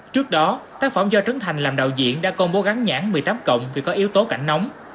trước đó tác phẩm do trấn thành làm đạo diễn đã công bố gắn nhãn một mươi tám cộng vì có yếu tố cảnh nóng